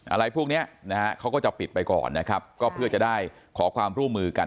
อะไรพวกนี้เค้าก็จะปิดไปก่อนก็เพื่อจะได้ขอความร่วมมือกัน